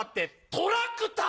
トラクター！